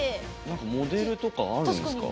何かモデルとかあるんすか？